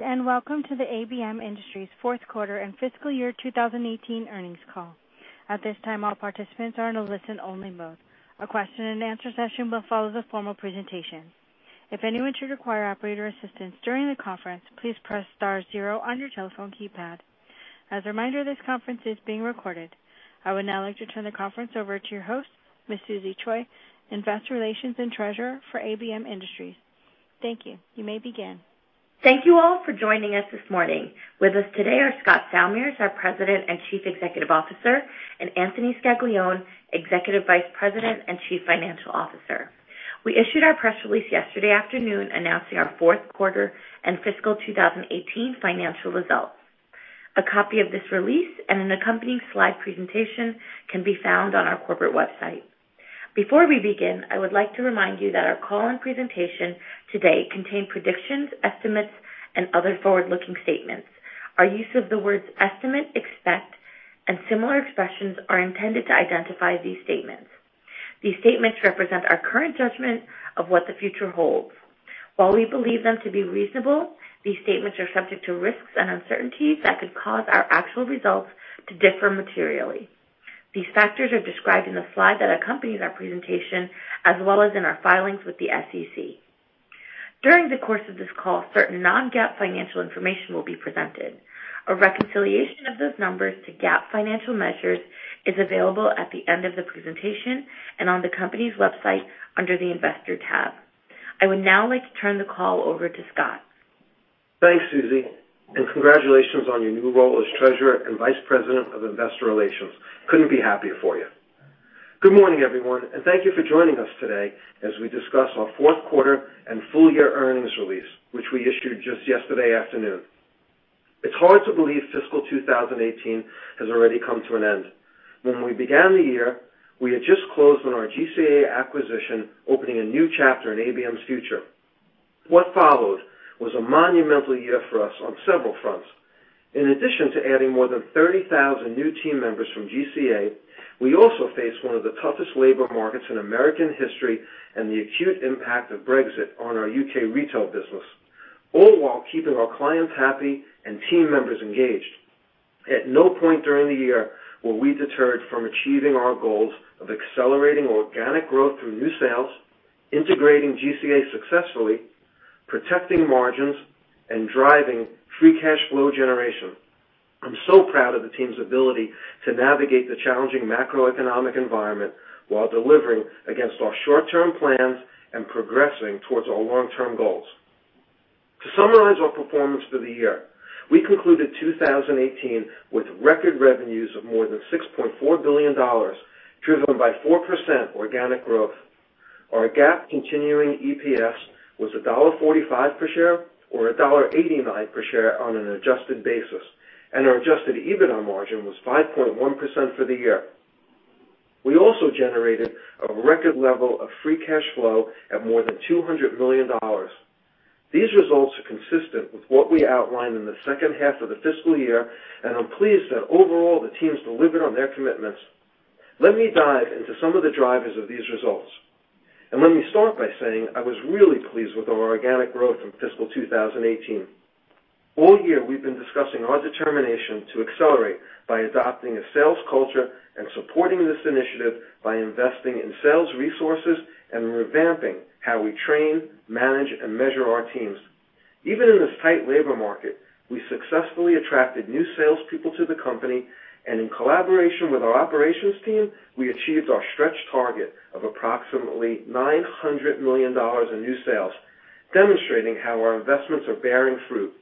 Welcome to the ABM Industries fourth quarter and fiscal year 2018 earnings call. At this time, all participants are in a listen-only mode. A question and answer session will follow the formal presentation. If anyone should require operator assistance during the conference, please press star zero on your telephone keypad. As a reminder, this conference is being recorded. I would now like to turn the conference over to your host, Ms. Susie Choi, investor relations and treasurer for ABM Industries. Thank you. You may begin. Thank you all for joining us this morning. With us today are Scott Salmirs, our President and Chief Executive Officer, and Anthony Scaglione, Executive Vice President and Chief Financial Officer. We issued our press release yesterday afternoon announcing our fourth quarter and fiscal 2018 financial results. A copy of this release and an accompanying slide presentation can be found on our corporate website. Before we begin, I would like to remind you that our call and presentation today contain predictions, estimates, and other forward-looking statements. Our use of the words "estimate," "expect," and similar expressions are intended to identify these statements. These statements represent our current judgment of what the future holds. While we believe them to be reasonable, these statements are subject to risks and uncertainties that could cause our actual results to differ materially. These factors are described in the slide that accompanies our presentation, as well as in our filings with the SEC. During the course of this call, certain non-GAAP financial information will be presented. A reconciliation of those numbers to GAAP financial measures is available at the end of the presentation and on the company's website under the Investor tab. I would now like to turn the call over to Scott. Thanks, Susie, and congratulations on your new role as treasurer and vice president of investor relations. Couldn't be happier for you. Good morning, everyone, and thank you for joining us today as we discuss our fourth quarter and full-year earnings release, which we issued just yesterday afternoon. It's hard to believe fiscal 2018 has already come to an end. When we began the year, we had just closed on our GCA acquisition, opening a new chapter in ABM's future. What followed was a monumental year for us on several fronts. In addition to adding more than 30,000 new team members from GCA, we also faced one of the toughest labor markets in American history and the acute impact of Brexit on our U.K. retail business, all while keeping our clients happy and team members engaged. At no point during the year were we deterred from achieving our goals of accelerating organic growth through new sales, integrating GCA successfully, protecting margins, and driving free cash flow generation. I'm so proud of the team's ability to navigate the challenging macroeconomic environment while delivering against our short-term plans and progressing towards our long-term goals. To summarize our performance for the year, we concluded 2018 with record revenues of more than $6.4 billion, driven by 4% organic growth. Our GAAP continuing EPS was $1.45 per share, or $1.89 per share on an adjusted basis, and our adjusted EBITDA margin was 5.1% for the year. We also generated a record level of free cash flow at more than $200 million. These results are consistent with what we outlined in the second half of the fiscal year, and I'm pleased that, overall, the team's delivered on their commitments. Let me dive into some of the drivers of these results. Let me start by saying I was really pleased with our organic growth in fiscal 2018. All year, we've been discussing our determination to accelerate by adopting a sales culture and supporting this initiative by investing in sales resources and revamping how we train, manage, and measure our teams. Even in this tight labor market, we successfully attracted new salespeople to the company, and in collaboration with our operations team, we achieved our stretched target of approximately $900 million in new sales, demonstrating how our investments are bearing fruit.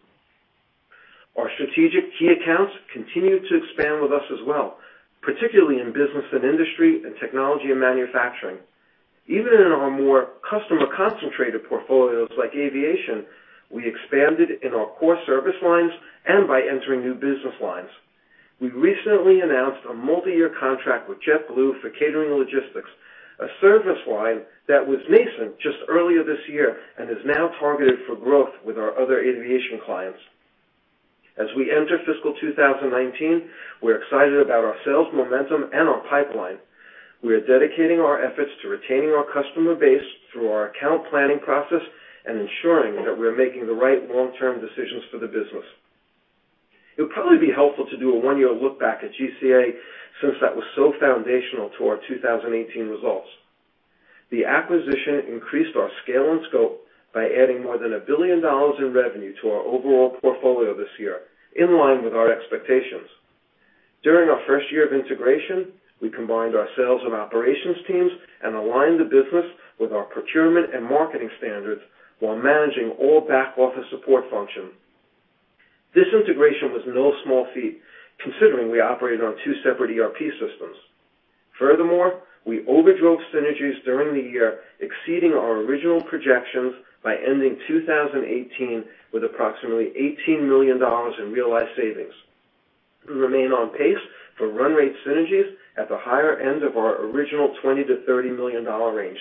Our strategic key accounts continue to expand with us as well, particularly in business and industry and technology and manufacturing. Even in our more customer-concentrated portfolios like aviation, we expanded in our core service lines and by entering new business lines. We recently announced a multiyear contract with JetBlue for catering and logistics, a service line that was nascent just earlier this year and is now targeted for growth with our other aviation clients. As we enter fiscal 2019, we're excited about our sales momentum and our pipeline. We are dedicating our efforts to retaining our customer base through our account planning process and ensuring that we're making the right long-term decisions for the business. It would probably be helpful to do a one-year look back at GCA since that was so foundational to our 2018 results. The acquisition increased our scale and scope by adding more than $1 billion in revenue to our overall portfolio this year, in line with our expectations. During our first year of integration, we combined our sales and operations teams and aligned the business with our procurement and marketing standards while managing all back-office support functions. This integration was no small feat considering we operated on two separate ERP systems. Furthermore, we overdrove synergies during the year, exceeding our original projections by ending 2018 with approximately $18 million in realized savings. We remain on pace for run rate synergies at the higher end of our original $20 million-$30 million range.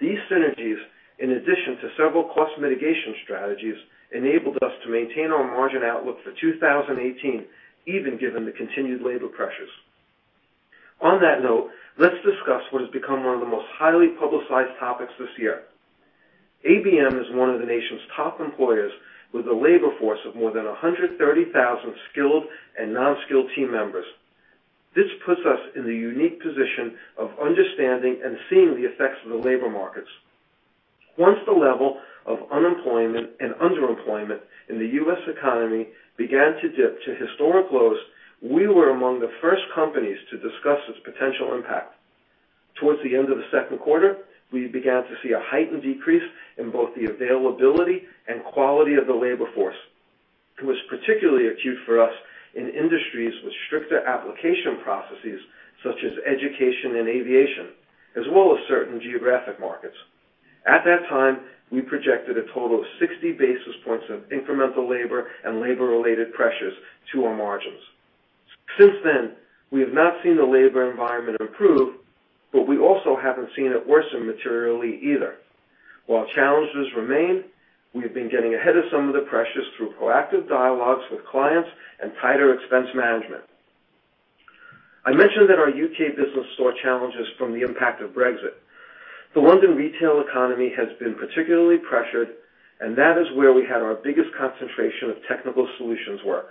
These synergies, in addition to several cost mitigation strategies, enabled us to maintain our margin outlook for 2018, even given the continued labor pressures. On that note, let's discuss what has become one of the most highly publicized topics this year. ABM is one of the nation's top employers with a labor force of more than 130,000 skilled and non-skilled team members. This puts us in the unique position of understanding and seeing the effects of the labor markets. Once the level of unemployment and underemployment in the U.S. economy began to dip to historic lows, we were among the first companies to discuss its potential impact. Towards the end of the second quarter, we began to see a heightened decrease in both the availability and quality of the labor force. It was particularly acute for us in industries with stricter application processes such as education and aviation, as well as certain geographic markets. At that time, we projected a total of 60 basis points of incremental labor and labor-related pressures to our margins. Since then, we have not seen the labor environment improve, but we also haven't seen it worsen materially either. While challenges remain, we have been getting ahead of some of the pressures through proactive dialogues with clients and tighter expense management. I mentioned that our U.K. Businesses saw challenges from the impact of Brexit. The London retail economy has been particularly pressured, and that is where we had our biggest concentration of Technical Solutions work.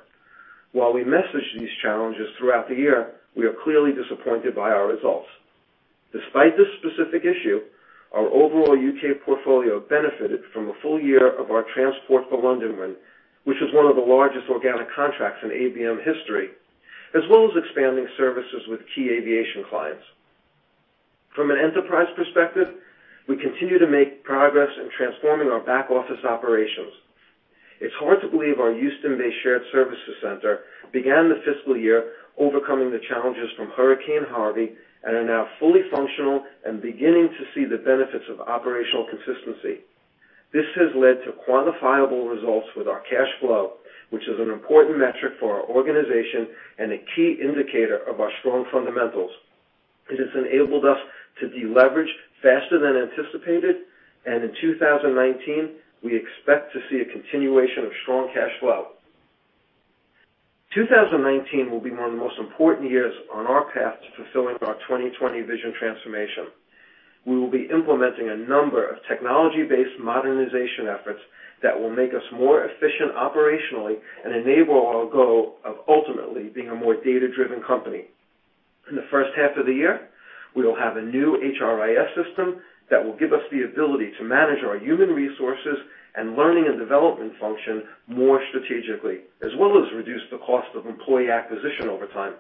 While we messaged these challenges throughout the year, we are clearly disappointed by our results. Despite this specific issue, our overall U.K. portfolio benefited from a full year of our Transport for London win, which is one of the largest organic contracts in ABM history, as well as expanding services with key aviation clients. From an enterprise perspective, we continue to make progress in transforming our back-office operations. It's hard to believe our Houston Bay Shared Services Center began the fiscal year overcoming the challenges from Hurricane Harvey and are now fully functional and beginning to see the benefits of operational consistency. This has led to quantifiable results with our cash flow, which is an important metric for our organization and a key indicator of our strong fundamentals. It has enabled us to deleverage faster than anticipated, and in 2019, we expect to see a continuation of strong cash flow. 2019 will be one of the most important years on our path to fulfilling our 2020 Vision transformation. We will be implementing a number of technology-based modernization efforts that will make us more efficient operationally and enable our goal of ultimately being a more data-driven company. In the first half of the year, we will have a new HRIS system that will give us the ability to manage our human resources and learning and development function more strategically, as well as reduce the cost of employee acquisition over time.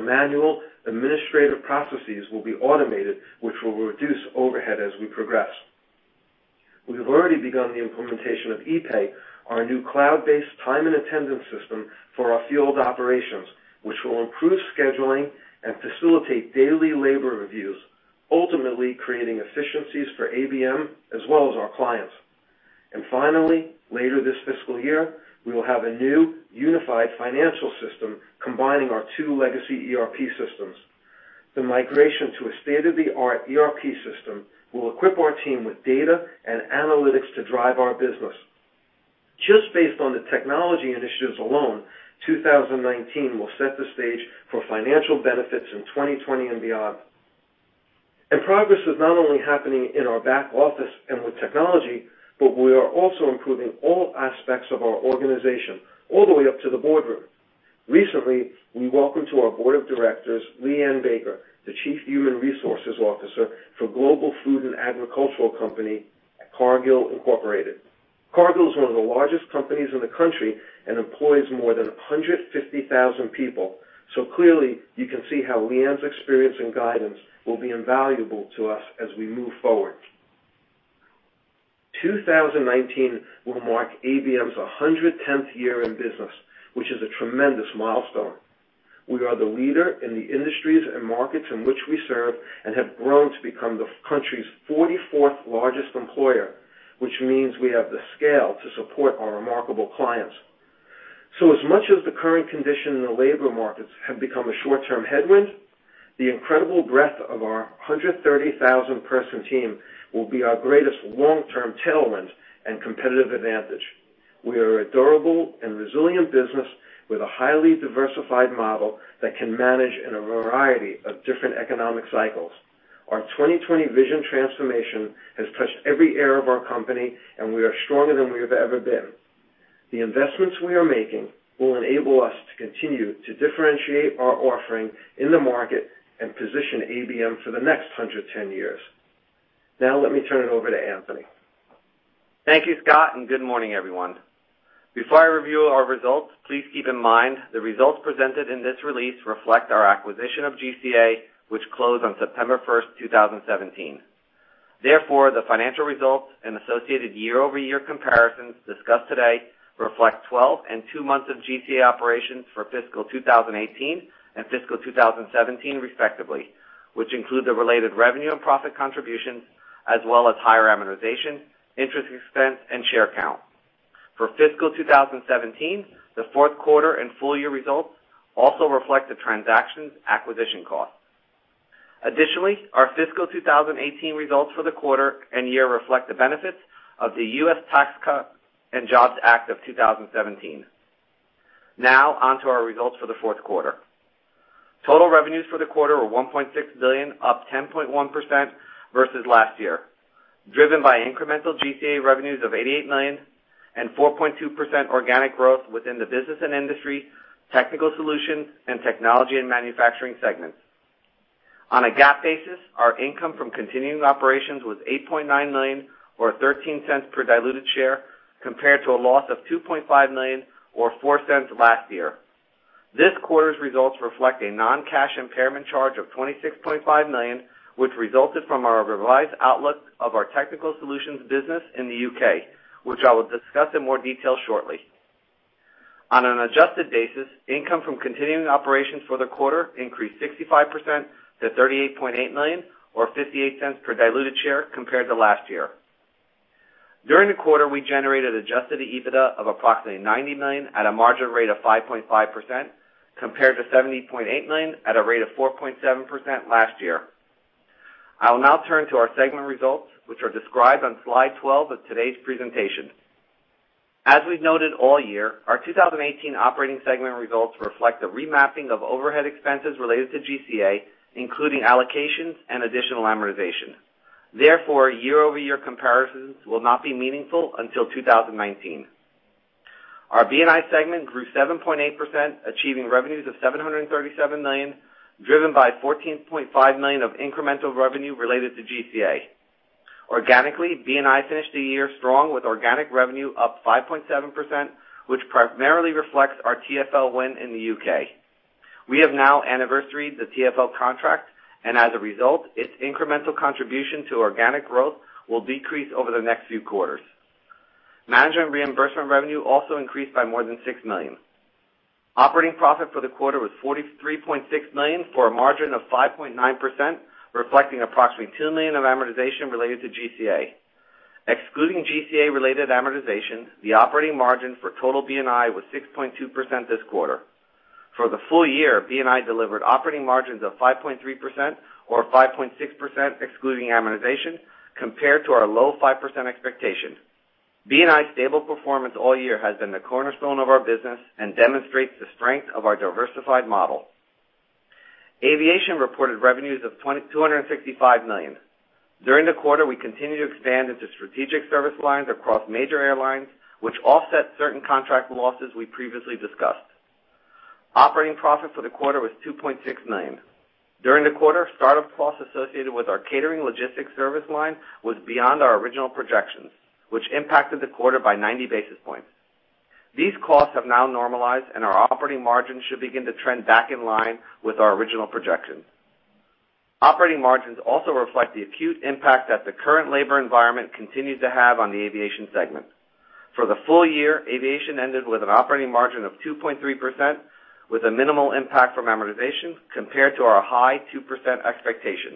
Manual administrative processes will be automated, which will reduce overhead as we progress. We have already begun the implementation of e-pay, our new cloud-based time and attendance system for our field operations, which will improve scheduling and facilitate daily labor reviews, ultimately creating efficiencies for ABM as well as our clients. Finally, later this fiscal year, we will have a new unified financial system combining our two legacy ERP systems. The migration to a state-of-the-art ERP system will equip our team with data and analytics to drive our business. Just based on the technology initiatives alone, 2019 will set the stage for financial benefits in 2020 and beyond. Progress is not only happening in our back office and with technology, but we are also improving all aspects of our organization, all the way up to the boardroom. Recently, we welcomed to our Board of Directors LeighAnne Baker, the Chief Human Resources Officer for Global Food and Agricultural Company, Cargill, Incorporated. Cargill is one of the largest companies in the country and employs more than 150,000 people. Clearly, you can see how LeighAnne's experience and guidance will be invaluable to us as we move forward. 2019 will mark ABM's 110th year in business, which is a tremendous milestone. We are the leader in the industries and markets in which we serve and have grown to become the country's 44th largest employer, which means we have the scale to support our remarkable clients. As much as the current condition in the labor markets has become a short-term headwind, the incredible breadth of our 130,000-person team will be our greatest long-term tailwind and competitive advantage. We are a durable and resilient business with a highly diversified model that can manage in a variety of different economic cycles. Our 2020 Vision transformation has touched every area of our company, and we are stronger than we have ever been. The investments we are making will enable us to continue to differentiate our offering in the market and position ABM for the next 110 years. Let me turn it over to Anthony. Thank you, Scott, and good morning, everyone. Before I review our results, please keep in mind the results presented in this release reflect our acquisition of GCA, which closed on September 1st, 2017. Therefore, the financial results and associated year-over-year comparisons discussed today reflect 12 and two months of GCA operations for fiscal 2018 and fiscal 2017 respectively, which include the related revenue and profit contributions, as well as higher amortization, interest expense, and share count. For fiscal 2017, the fourth quarter and full-year results also reflect the transaction's acquisition costs. Additionally, our fiscal 2018 results for the quarter and year reflect the benefits of the U.S. Tax Cuts and Jobs Act of 2017. On to our results for the fourth quarter. Total revenues for the quarter were $1.6 billion, up 10.1% versus last year, driven by incremental GCA revenues of $88 million and 4.2% organic growth within the business and industry, Technical Solutions, and technology and manufacturing segments. On a GAAP basis, our income from continuing operations was $8.9 million or $0.13 per diluted share, compared to a loss of $2.5 million or $0.04 last year. This quarter's results reflect a non-cash impairment charge of $26.5 million, which resulted from our revised outlook of our Technical Solutions business in the U.K., which I will discuss in more detail shortly. On an adjusted basis, income from continuing operations for the quarter increased 65% to $38.8 million, or $0.58 per diluted share compared to last year. During the quarter, we generated adjusted EBITDA of approximately $90 million at a margin rate of 5.5%, compared to $70.8 million at a rate of 4.7% last year. I will now turn to our segment results, which are described on slide 12 of today's presentation. As we've noted all year, our 2018 operating segment results reflect the remapping of overhead expenses related to GCA, including allocations and additional amortization. Therefore, year-over-year comparisons will not be meaningful until 2019. Our B&I segment grew 7.8%, achieving revenues of $737 million, driven by $14.5 million of incremental revenue related to GCA. Organically, B&I finished the year strong with organic revenue up 5.7%, which primarily reflects our TFL win in the U.K. We have now anniversaried the TFL contract, and as a result, its incremental contribution to organic growth will decrease over the next few quarters. Management reimbursement revenue also increased by more than $6 million. Operating profit for the quarter was $43.6 million for a margin of 5.9%, reflecting approximately $2 million of amortization related to GCA. Excluding GCA-related amortization, the operating margin for total B&I was 6.2% this quarter. For the full year, B&I delivered operating margins of 5.3%, or 5.6% excluding amortization, compared to our low 5% expectation. B&I's stable performance all year has been the cornerstone of our business and demonstrates the strength of our diversified model. Aviation reported revenues of $265 million. During the quarter, we continued to expand into strategic service lines across major airlines, which offset certain contract losses we previously discussed. Operating profit for the quarter was $2.6 million. During the quarter, startup costs associated with our catering logistics service line were beyond our original projections, which impacted the quarter by 90 basis points. These costs have now normalized, and our operating margins should begin to trend back in line with our original projections. Operating margins also reflect the acute impact that the current labor environment continues to have on the aviation segment. For the full year, aviation ended with an operating margin of 2.3%, with a minimal impact from amortization compared to our high 2% expectation.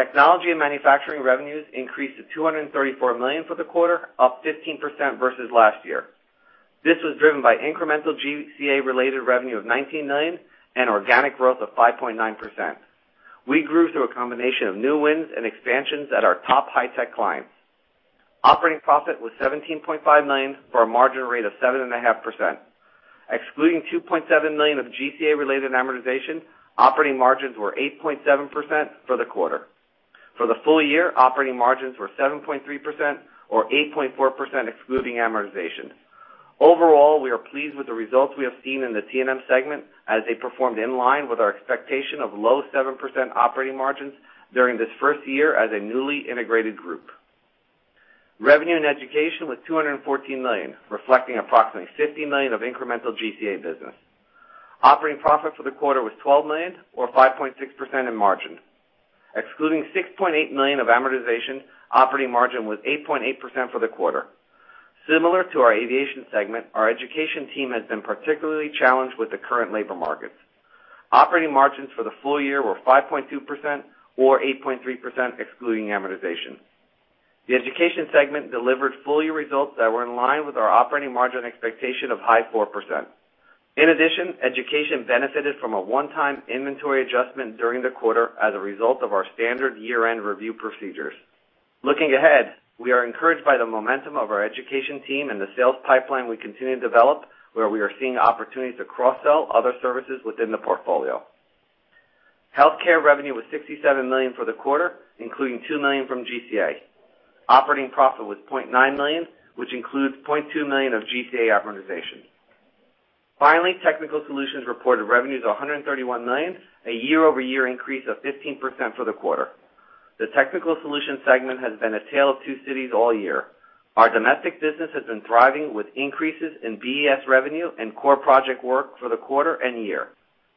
Technical Solutions' revenues increased to $234 million for the quarter, up 15% versus last year. This was driven by incremental GCA-related revenue of $19 million and organic growth of 5.9%. We grew through a combination of new wins and expansions at our top high-tech clients. Operating profit was $17.5 million for a margin rate of 7.5%. Excluding $2.7 million of GCA-related amortization, operating margins were 8.7% for the quarter. For the full year, operating margins were 7.3%, or 8.4% excluding amortization. Overall, we are pleased with the results we have seen in the T&M segment, as they performed in line with our expectation of low 7% operating margins during this first year as a newly integrated group. Revenue in education was $214 million, reflecting approximately $15 million of incremental GCA business. Operating profit for the quarter was $12 million, or 5.6% in margin. Excluding $6.8 million of amortization, operating margin was 8.8% for the quarter. Similar to our aviation segment, our education team has been particularly challenged with the current labor markets. Operating margins for the full year were 5.2%, or 8.3% excluding amortization. The education segment delivered full-year results that were in line with our operating margin expectation of a high 4%. In addition, education benefited from a one-time inventory adjustment during the quarter as a result of our standard year-end review procedures. Looking ahead, we are encouraged by the momentum of our education team and the sales pipeline we continue to develop, where we are seeing opportunities to cross-sell other services within the portfolio. Healthcare revenue was $67 million for the quarter, including $2 million from GCA. Operating profit was $0.9 million, which includes $0.2 million of GCA amortization. Finally, Technical Solutions reported revenues of $131 million, a year-over-year increase of 15% for the quarter. The Technical Solutions segment has been a tale of two cities all year. Our domestic business has been thriving with increases in BES revenue and core project work for the quarter and year.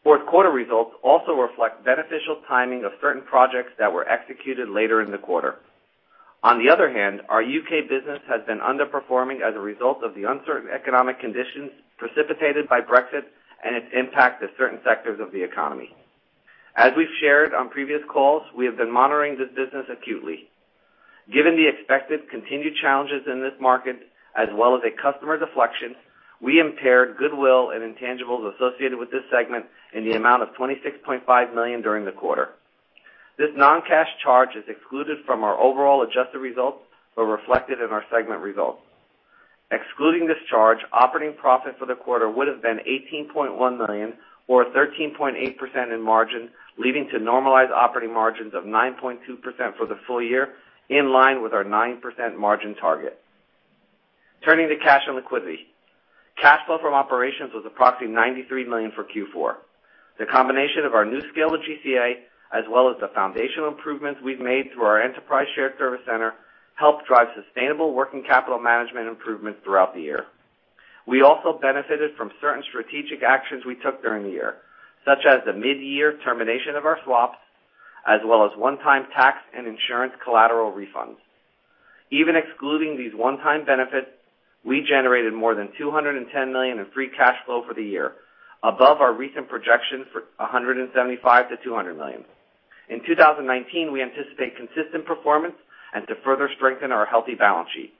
Fourth-quarter results also reflect beneficial timing of certain projects that were executed later in the quarter. On the other hand, our U.K. The business has been underperforming as a result of the uncertain economic conditions precipitated by Brexit and its impact on certain sectors of the economy. As we've shared on previous calls, we have been monitoring this business acutely. Given the expected continued challenges in this market, as well as a customer deflection, we impaired goodwill and intangibles associated with this segment in the amount of $26.5 million during the quarter. This non-cash charge is excluded from our overall adjusted results but reflected in our segment results. Excluding this charge, operating profit for the quarter would have been $18.1 million, or 13.8% in margin, leading to normalized operating margins of 9.2% for the full year, in line with our 9% margin target. Turning to cash and liquidity. Cash flow from operations was approximately $93 million for Q4. The combination of our new scale with GCA, as well as the foundational improvements we've made through our enterprise shared service center, helped drive sustainable working capital management improvement throughout the year. We also benefited from certain strategic actions we took during the year, such as the mid-year termination of our swaps, as well as one-time tax and insurance collateral refunds. Even excluding these one-time benefits, we generated more than $210 million in free cash flow for the year, above our recent projections for $175 million-$200 million. In 2019, we anticipate consistent performance and to further strengthen our healthy balance sheet.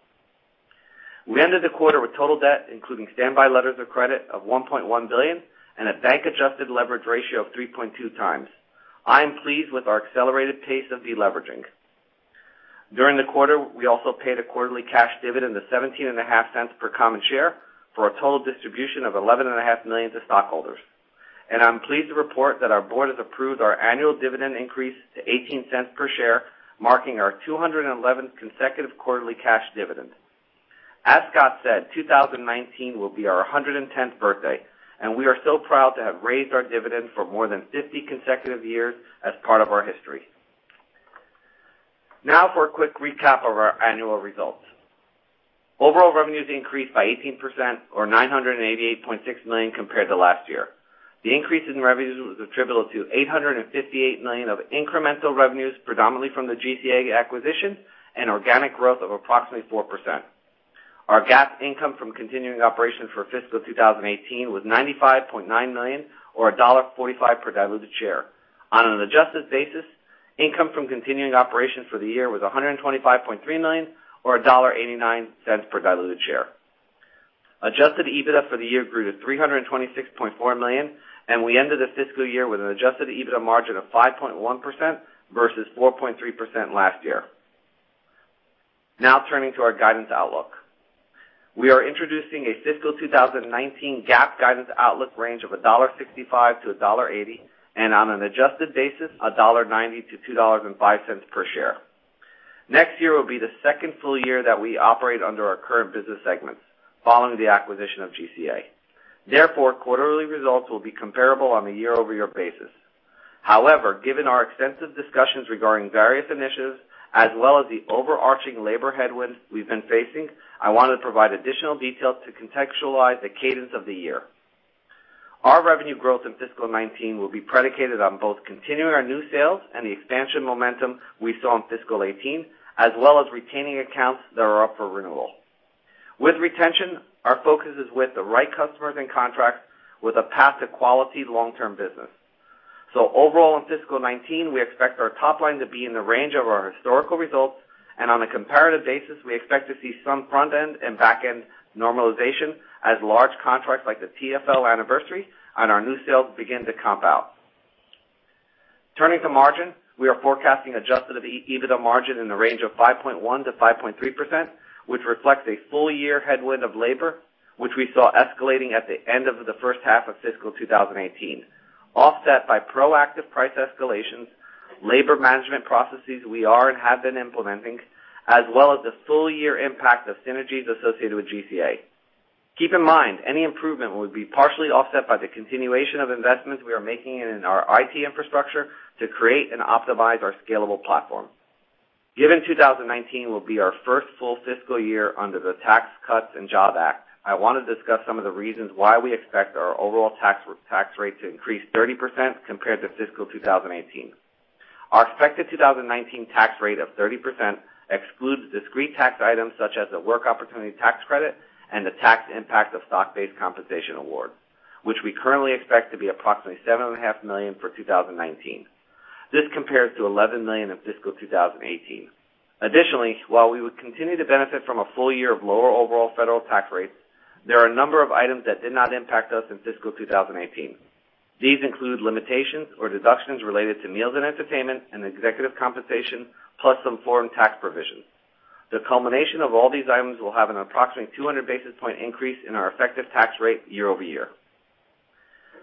We ended the quarter with total debt, including standby letters of credit, of $1.1 billion and a bank-adjusted leverage ratio of 3.2x. I am pleased with our accelerated pace of deleveraging. During the quarter, we also paid a quarterly cash dividend of $0.175 per common share for a total distribution of $11.5 million to stockholders. I'm pleased to report that our board has approved our annual dividend increase to $0.18 per share, marking our 211th consecutive quarterly cash dividend. As Scott said, 2019 will be our 110th birthday, and we are so proud to have raised our dividend for more than 50 consecutive years as part of our history. For a quick recap of our annual results. Overall revenues increased by 18% or $988.6 million compared to last year. The increase in revenues was attributable to $858 million of incremental revenues, predominantly from the GCA acquisition and organic growth of approximately 4%. Our GAAP income from continuing operations for fiscal 2018 was $95.9 million, or $1.45 per diluted share. On an adjusted basis, income from continuing operations for the year was $125.3 million, or $1.89 per diluted share. Adjusted EBITDA for the year grew to $326.4 million, and we ended the fiscal year with an adjusted EBITDA margin of 5.1% versus 4.3% last year. Turning to our guidance outlook. We are introducing a fiscal 2019 GAAP guidance outlook range of $1.65-$1.80, and on an adjusted basis, $1.90-$2.05 per share. Next year will be the second full year that we operate under our current business segments, following the acquisition of GCA. Quarterly results will be comparable on a year-over-year basis. Given our extensive discussions regarding various initiatives as well as the overarching labor headwinds we've been facing, I want to provide additional details to contextualize the cadence of the year. Our revenue growth in fiscal 2019 will be predicated on both continuing our new sales and the expansion momentum we saw in fiscal 2018, as well as retaining accounts that are up for renewal. With retention, our focus is on the right customers and contracts with a path to quality long-term business. Overall, in fiscal 2019, we expect our top line to be in the range of our historical results, and on a comparative basis, we expect to see some front-end and back-end normalization as large contracts like the TFL anniversary on our new sales begin to comp out. Turning to margin, we are forecasting adjusted EBITDA margin in the range of 5.1%-5.3%, which reflects a full-year headwind of labor, which we saw escalating at the end of the first half of fiscal 2018, offset by proactive price escalations and labor management processes we are and have been implementing, as well as the full-year impact of synergies associated with GCA. Keep in mind, any improvement would be partially offset by the continuation of investments we are making in our IT infrastructure to create and optimize our scalable platform. Given 2019 will be our first full fiscal year under the Tax Cuts and Jobs Act, I want to discuss some of the reasons why we expect our overall tax rate to increase 30% compared to fiscal 2018. Our expected 2019 tax rate of 30% excludes discrete tax items such as the Work Opportunity Tax Credit and the tax impact of stock-based compensation awards, which we currently expect to be approximately $7.5 million for 2019. This compares to $11 million in fiscal 2018. While we would continue to benefit from a full year of lower overall federal tax rates, there are a number of items that did not impact us in fiscal 2018. These include limitations or deductions related to meals and entertainment and executive compensation, plus some foreign tax provisions. The culmination of all these items will have an approximate 200 basis point increase in our effective tax rate year-over-year.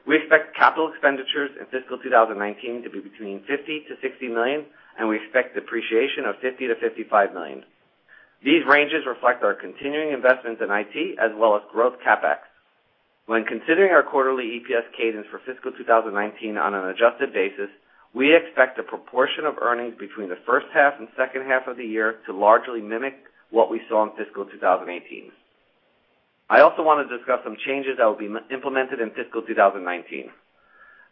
We expect capital expenditures in fiscal 2019 to be between $50 million-$60 million, and we expect depreciation of $50 million-$55 million. These ranges reflect our continuing investments in IT as well as growth CapEx. When considering our quarterly EPS cadence for fiscal 2019 on an adjusted basis, we expect the proportion of earnings between the first half and second half of the year to largely mimic what we saw in fiscal 2018. I also want to discuss some changes that will be implemented in fiscal 2019.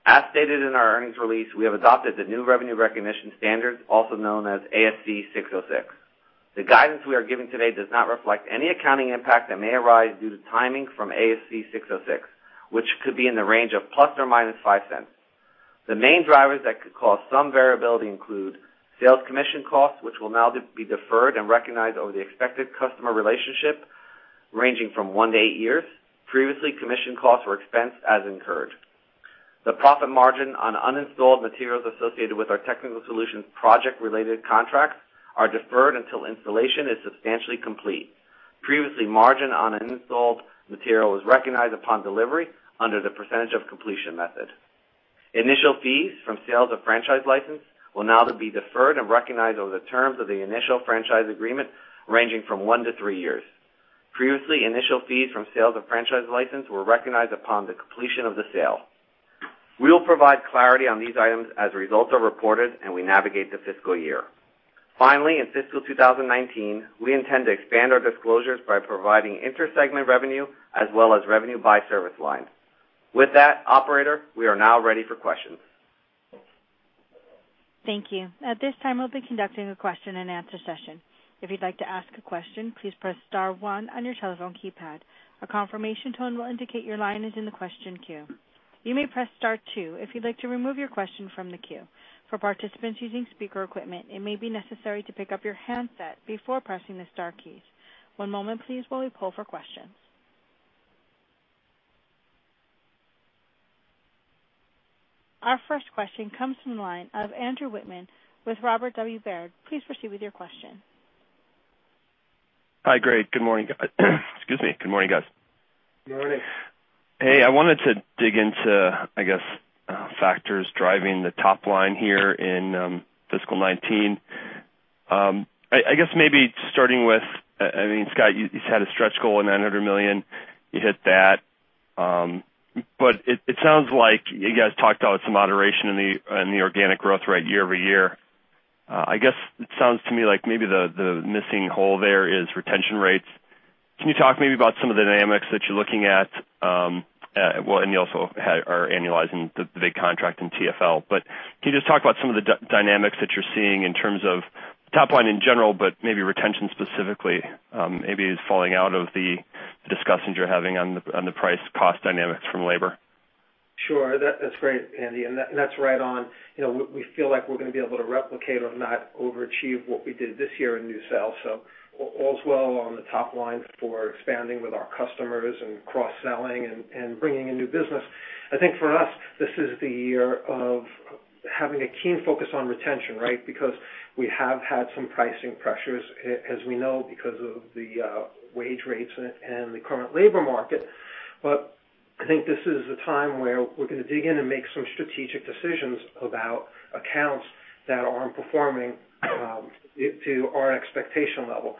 As stated in our earnings release, we have adopted the new revenue recognition standards, also known as ASC 606. The guidance we are giving today does not reflect any accounting impact that may arise due to timing from ASC 606, which could be in the range of ±$0.05. The main drivers that could cause some variability include sales commission costs, which will now be deferred and recognized over the expected customer relationship, ranging from one to eight years. Previously, commission costs were expensed as incurred. The profit margin on uninstalled materials associated with our Technical Solutions project-related contracts is deferred until installation is substantially complete. Previously, margin on uninstalled material was recognized upon delivery under the percentage of completion method. Initial fees from sales of franchise licenses will now be deferred and recognized over the terms of the initial franchise agreement, ranging from one to three years. Previously, initial fees from sales of franchise licenses were recognized upon the completion of the sale. We will provide clarity on these items as results are reported and we navigate the fiscal year. Finally, in fiscal 2019, we intend to expand our disclosures by providing inter-segment revenue as well as revenue by service line. With that, operator, we are now ready for questions. Thank you. At this time, we'll be conducting a question and answer session. If you'd like to ask a question, please press star one on your telephone keypad. A confirmation tone will indicate your line is in the question queue. You may press star two if you'd like to remove your question from the queue. For participants using speaker equipment, it may be necessary to pick up your handset before pressing the star keys. One moment, please, while we pull for questions. Our first question comes from the line of Andrew Wittmann with Robert W. Baird. Please proceed with your question. Hi, Greg. Good morning. Excuse me. Good morning, guys. Good morning. Hey, I wanted to dig into, I guess, factors driving the top line here in fiscal 2019. I guess maybe starting with, I mean, Scott, you set a stretch goal of $900 million. You hit that. It sounds like you guys talked about some moderation in the organic growth rate year-over-year. I guess it sounds to me like maybe the missing hole there is retention rates. Can you talk maybe about some of the dynamics that you're looking at? You also are annualizing the big contract in TFL. Can you just talk about some of the dynamics that you're seeing in terms of the top line in general, but maybe retention specifically, maybe as falling out of the discussions you're having on the price-cost dynamics from labor? Sure. That's great, Andy, and that's right on. We feel like we're going to be able to replicate, if not overachieve, what we did this year in new sales. All's well on the top line for expanding with our customers and cross-selling and bringing in new business. I think for us, this is the year of having a keen focus on retention, right? Because we have had some pricing pressures, as we know, because of the wage rates and the current labor market. I think this is the time where we're going to dig in and make some strategic decisions about accounts that aren't performing to our expectation level.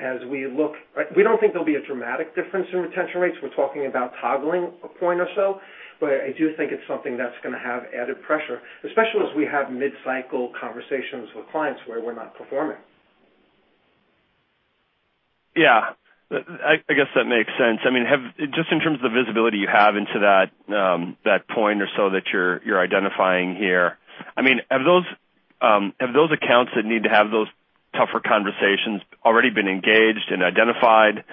As we look, we don't think there'll be a dramatic difference in retention rates. We're talking about toggling a point or so. I do think it's something that's going to have added pressure, especially as we have mid-cycle conversations with clients where we're not performing. Yeah. I guess that makes sense. Just in terms of the visibility you have into that point or so that you're identifying here, have those accounts that need to have those tougher conversations already been engaged and identified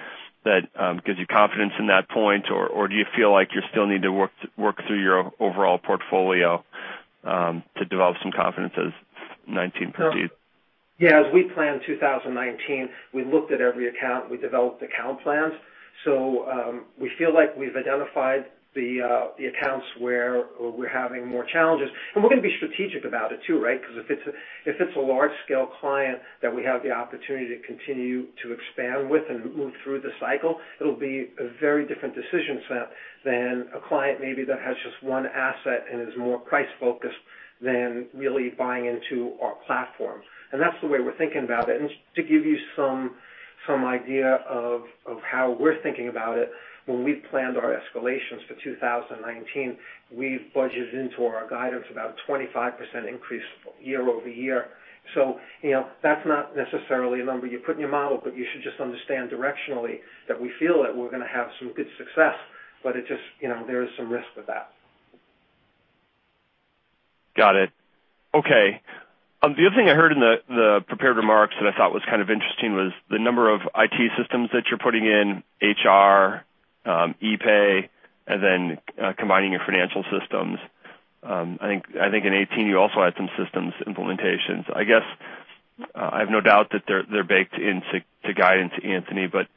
that gives you confidence in that point, or do you feel like you still need to work through your overall portfolio to develop some confidence as 2019 proceeds? Yeah, as we planned 2019, we looked at every account. We developed account plans. We feel like we've identified the accounts where we're having more challenges. We're going to be strategic about it too, right? Because if it's a large-scale client that we have the opportunity to continue to expand with and move through the cycle, it'll be a very different decision set than a client maybe that has just one asset and is more price-focused than really buying into our platform. That's the way we're thinking about it. To give you some idea of how we're thinking about it, when we planned our escalations for 2019, we budgeted into our guidance about a 25% increase year-over-year. That's not necessarily a number you put in your model, but you should just understand directionally that we feel that we're going to have some good success, but there is some risk with that. Got it. Okay. The other thing I heard in the prepared remarks that I thought was kind of interesting was the number of IT systems that you're putting in: HR, e-pay, and then combining your financial systems. I think in 2018, you also had some systems implementations. I guess I have no doubt that they're baked into guidance, Anthony, but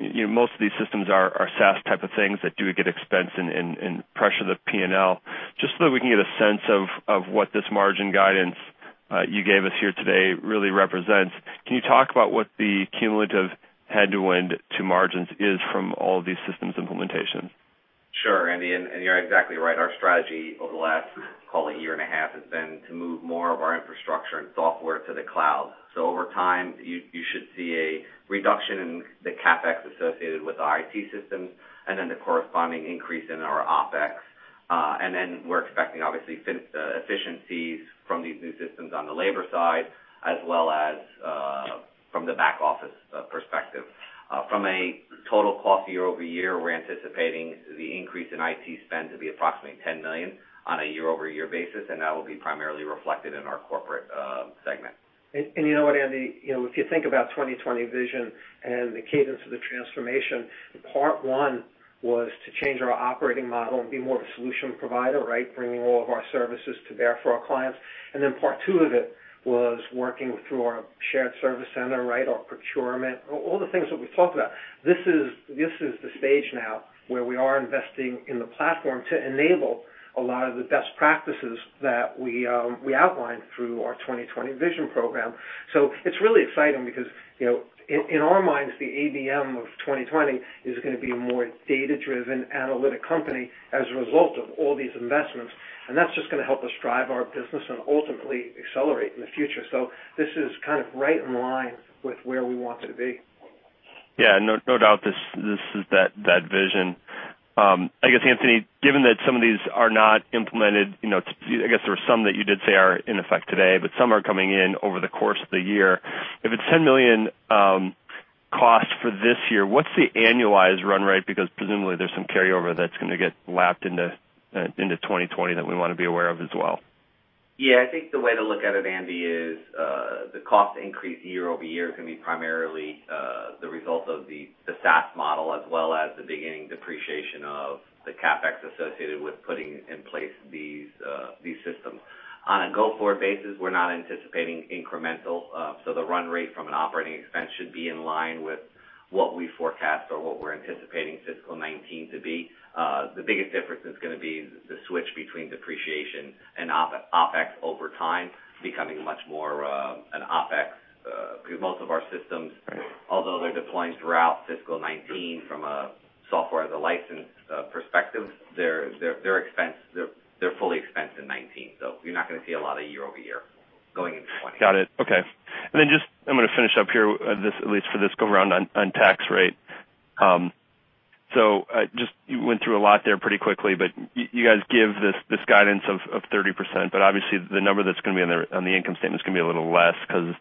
most of these systems are SaaS-type things that do get expensed and pressure the P&L. So that we can get a sense of what this margin guidance you gave us here today really represents, can you talk about what the cumulative headwind to margins is from all of these systems implementations? Sure, Andy, you're exactly right. Our strategy over the last, call it a year and a half, has been to move more of our infrastructure and software to the cloud. Over time, you should see a reduction in the CapEx associated with our IT systems and then the corresponding increase in our OpEx. We're expecting, obviously, efficiencies from these new systems on the labor side, as well as from the back office perspective. From a total cost year-over-year, we're anticipating the increase in IT spend to be approximately $10 million on a year-over-year basis; that will be primarily reflected in our corporate segment. You know what, Andy, if you think about 2020 Vision and the cadence of the transformation, part one was to change our operating model and be more of a solution provider, bringing all of our services to bear for our clients. Part two of it was working through our Shared Services Center, our procurement, and all the things that we've talked about. This is the stage now where we are investing in the platform to enable a lot of the best practices that we outlined through our 2020 Vision program. It's really exciting because, in our minds, the ABM of 2020 is going to be a more data-driven analytic company as a result of all these investments. That's just going to help us drive our business and ultimately accelerate in the future. This is right in line with where we want to be. No doubt this is that vision. I guess, Anthony, given that some of these are not implemented, I guess there were some that you did say are in effect today, but some are coming in over the course of the year. If it's a $10 million cost for this year, what's the annualized run rate? Because presumably there's some carryover that's going to get lapped into 2020 that we want to be aware of as well. I think the way to look at it, Andy, is the cost increase year-over-year is going to be primarily the result of the SaaS model as well as the beginning depreciation of the CapEx associated with putting in place these systems. On a go-forward basis, we're not anticipating incremental changes; the run rate from an operating expense should be in line with what we forecast or what we're anticipating fiscal 2019 to be. The biggest difference is going to be the switch between depreciation and OpEx over time, becoming much more of an OpEx. Most of our systems, although they're deploying throughout fiscal 2019 from a software as a license perspective, are fully expensed in 2019. You're not going to see a lot of year-over-year going into 2020. Got it. Okay. I'm going to finish up here, at least for this go-round, on tax rate. You went through a lot there pretty quickly, but you guys give this guidance of 30%, but obviously the number that's going to be on the income statement is going to be a little less because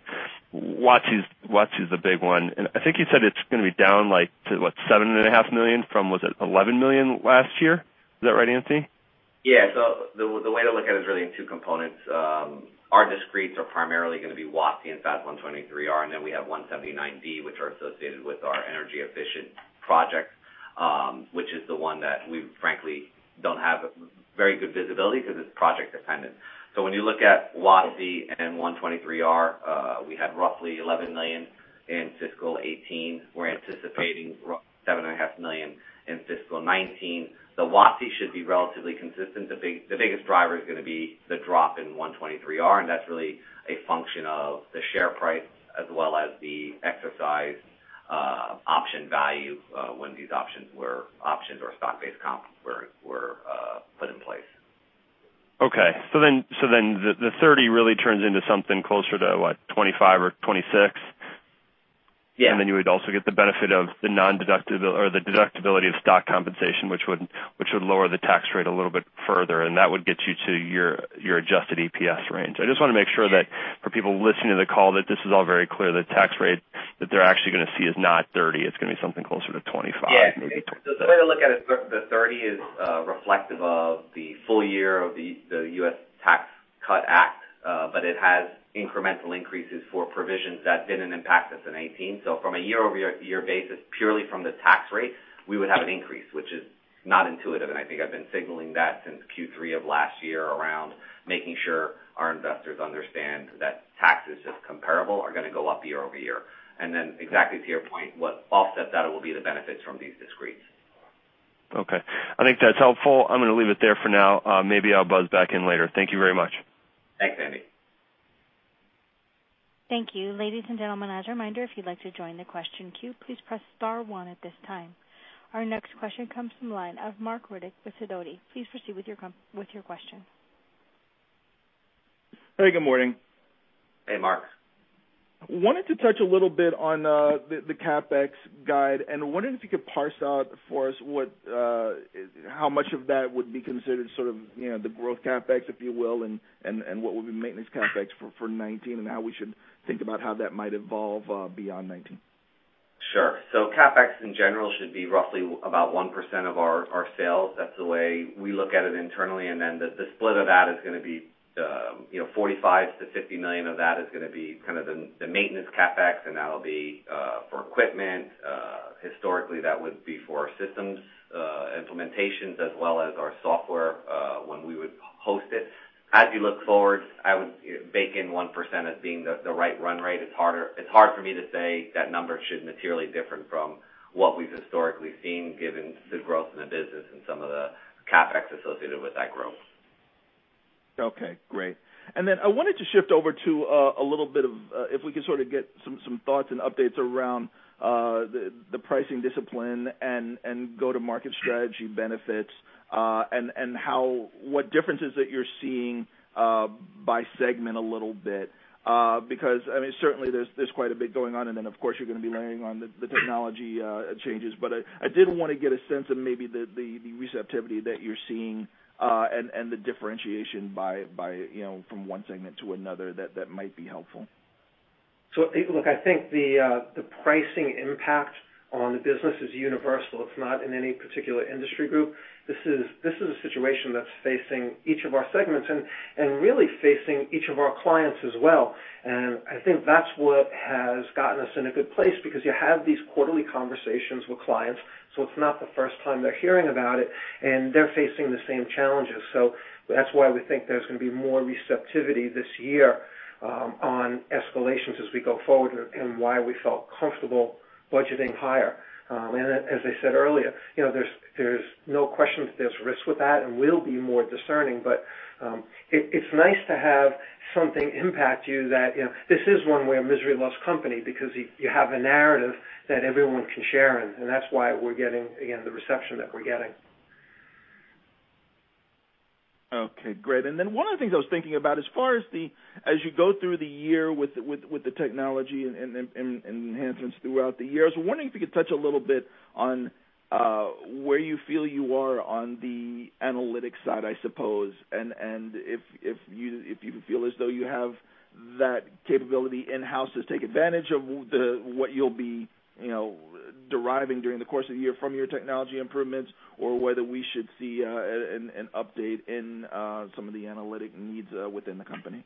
WOTC is the big one. I think you said it's going to be down to what, $7.5 million from $11 million last year? Is that right, Anthony? Yeah. The way to look at it really has two components. Our discretes are primarily going to be WOTC and FAS 123R, and then we have 179D, which is associated with our energy-efficient projects, which is the one that we frankly don't have very good visibility on because it's project-dependent. When you look at WOTC and 123R, we had roughly $11 million in fiscal 2018. We're anticipating $7.5 million in fiscal 2019. The WOTC should be relatively consistent. The biggest driver is going to be the drop in 123R, and that's really a function of the share price as well as the exercise option value when these options or stock-based comps were put in place. Okay. The 30% really turns into something closer to what, 25% or 26%? Yeah. You would also get the benefit of the deductibility of stock compensation, which would lower the tax rate a little bit further, and that would get you to your adjusted EPS range. I just want to make sure that for people listening to the call, this is all very clear; the tax rate that they're actually going to see is not 30%. It's going to be something closer to 25%, maybe 26%. The way to look at it, the 30% is reflective of the full year in the U.S. Tax Cut Act. It has incremental increases for provisions that didn't impact us in 2018. From a year-over-year basis, purely from the tax rate, we would have an increase, which is not intuitive, and I think I've been signaling that since Q3 of last year around making sure our investors understand that taxes, just comparable, are going to go up year-over-year. Exactly to your point, what offsets that will be the benefits from these discretions. Okay. I think that's helpful. I'm going to leave it there for now. Maybe I'll buzz back in later. Thank you very much. Thanks, Andy. Thank you. Ladies and gentlemen, as a reminder, if you'd like to join the question queue, please press star one at this time. Our next question comes from the line of Marc Riddick with Sidoti. Please proceed with your question. Hey, good morning. Hey, Marc. Wanted to touch a little bit on the CapEx guide, wondering if you could parse out for us how much of that would be considered the growth CapEx, if you will, and what would be maintenance CapEx for 2019 and how we should think about how that might evolve beyond 2019. CapEx in general should be roughly about 1% of our sales. That's the way we look at it internally; the split of that is going to be $45 million-$50 million of that is going to be the maintenance CapEx, and that'll be for equipment. Historically, that would be for our systems implementations as well as our software when we would host it. As you look forward, I would bake in 1% as the right run rate. It's hard for me to say that number should materially differ from what we've historically seen given the growth in the business and some of the CapEx associated with that growth. Okay, great. I wanted to shift over to if we could sort of get some thoughts and updates around the pricing discipline and go-to-market strategy benefits and what differences that you're seeing by segment a little bit. Certainly there's quite a bit going on, and then of course, you're going to be layering on the technology changes. I did want to get a sense of maybe the receptivity that you're seeing and the differentiation from one segment to another that might be helpful. Look, I think the pricing impact on the business is universal. It's not in any particular industry group. This is a situation that's facing each of our segments and, really, facing each of our clients as well. I think that's what has gotten us in a good place, because you have these quarterly conversations with clients, so it's not the first time they're hearing about it, and they're facing the same challenges. That's why we think there's going to be more receptivity this year on escalations as we go forward and why we felt comfortable budgeting higher. As I said earlier, there's no question that there are risks with that, and we'll be more discerning, but it's nice to have something impact you that this is one where misery loves company because you have a narrative that everyone can share in, and that's why we're getting the reception that we're getting. Okay, great. One of the things I was thinking about as you go through the year with the technology and enhancements throughout the year is I was wondering if you could touch a little bit on where you feel you are on the analytics side, I suppose, and if you feel as though you have that capability in-house to take advantage of what you'll be deriving during the course of the year from your technology improvements or whether we should see an update in some of the analytic needs within the company.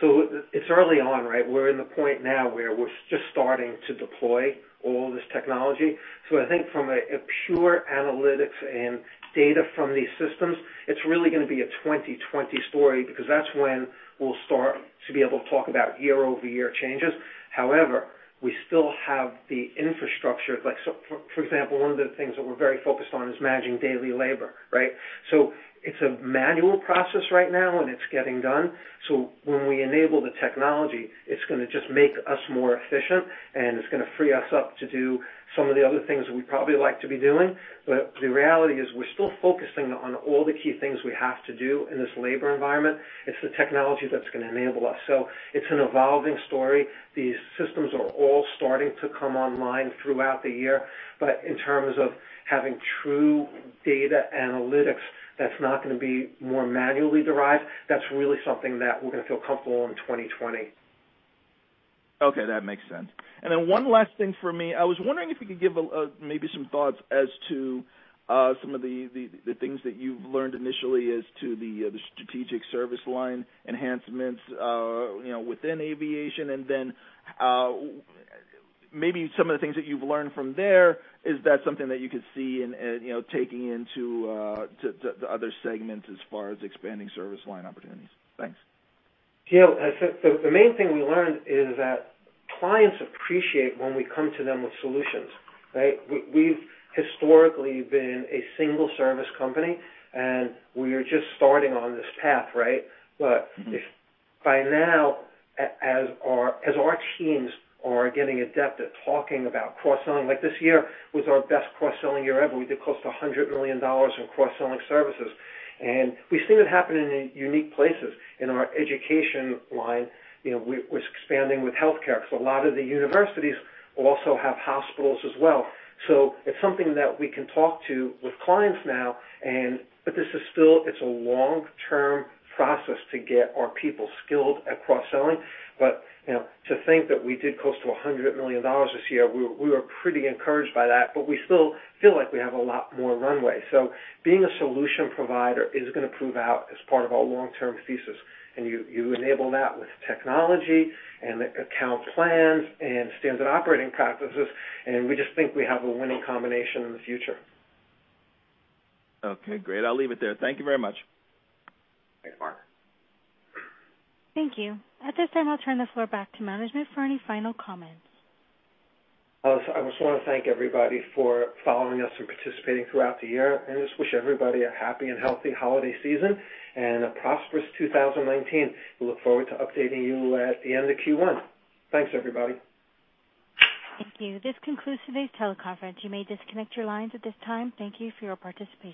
It's early on, right? We're at the point now where we're just starting to deploy all this technology. I think from pure analytics and data from these systems, it's really going to be a 2020 story because that's when we'll start to be able to talk about year-over-year changes. However, we still have the infrastructure. For example, one of the things that we're very focused on is managing daily labor, right? It's a manual process right now, and it's getting done. When we enable the technology, it's going to just make us more efficient, and it's going to free us up to do some of the other things that we'd probably like to be doing. The reality is we're still focusing on all the key things we have to do in this labor environment. It's the technology that's going to enable us. It's an evolving story. These systems are all starting to come online throughout the year in terms of having true data analytics that are not going to be more manually derived. That's really something that we're going to feel comfortable with in 2020. Okay, that makes sense. One last thing for me, I was wondering if you could maybe give some thoughts as to some of the things that you've learned initially as to the strategic service line enhancements within aviation and then maybe some of the things that you've learned from there. Is that something that you could see yourself taking into the other segments as far as expanding service line opportunities? Thanks. The main thing we learned is that clients appreciate when we come to them with solutions, right? We've historically been a single-service company; we are just starting on this path, right? By now, as our teams are getting adept at talking about cross-selling. This year was our best cross-selling year ever. We did close to $100 million in cross-selling services. We've seen it happen in unique places in our education line. We're expanding with healthcare. A lot of the universities also have hospitals as well. It's something that we can talk to clients about now, but this is still a long-term process to get our people skilled at cross-selling. To think that we did close to $100 million this year, we were pretty encouraged by that, but we still feel like we have a lot more runway. Being a solution provider is going to prove out as part of our long-term thesis; you enable that with technology and account plans and standard operating practices, we just think we have a winning combination in the future. Okay, great. I'll leave it there. Thank you very much. Thanks, Marc. Thank you. At this time, I'll turn the floor back to management for any final comments. I just want to thank everybody for following us and participating throughout the year and just wish everybody a happy and healthy holiday season and a prosperous 2019. We look forward to updating you at the end of Q1. Thanks, everybody. Thank you. This concludes today's teleconference. You may disconnect your lines at this time. Thank you for your participation.